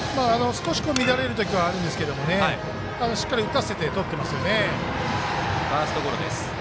少し乱れるときはあるんですけどしっかり打たせてとってますよね。